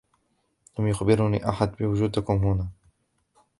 لم يخبرني أحد بوجودكم هنا.